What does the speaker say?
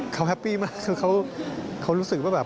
เขาแฮปปี้มากคือเขารู้สึกว่าแบบ